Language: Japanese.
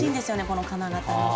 この金型の。